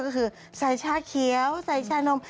ก็คือใส่ชาเขียวใส่ชานม